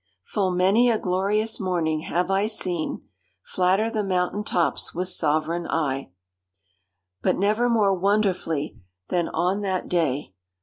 'Full many a glorious morning have I seen, Flatter the mountain tops with sovereign eye,' but never more wonderfully than on that day.